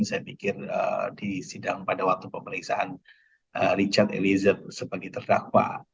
saya pikir di sidang pada waktu pemeriksaan richard eliezer sebagai terdakwa